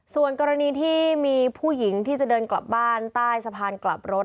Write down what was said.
ส่วนกรณีที่มีผู้หญิงที่จะเดินกลับบ้านใต้สะพานกลับรถ